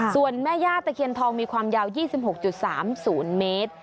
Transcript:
ส่วนแม่ย่าตะเคียนทองมีความยาว๒๖๓๐เมตร